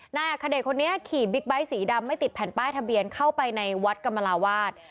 นายอัคเดชคนนี้ขี่บิ๊กไบท์สีดำไม่ติดแผ่นป้ายทะเบียนเข้าไปในวัดกรรมลาวาส